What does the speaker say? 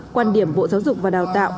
quan điểm bộ giáo dục và đào tạo